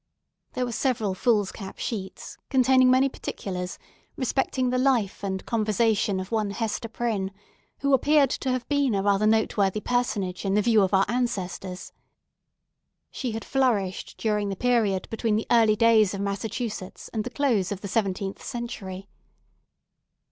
There were several foolscap sheets, containing many particulars respecting the life and conversation of one Hester Prynne, who appeared to have been rather a noteworthy personage in the view of our ancestors. She had flourished during the period between the early days of Massachusetts and the close of the seventeenth century.